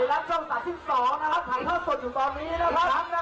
อ่ะแล้วทั้งหมดนี้นะคะก็เป็น